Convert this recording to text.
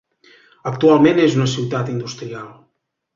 Actualment és una ciutat industrial.